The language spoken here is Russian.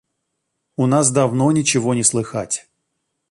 – У нас давно ничего не слыхать.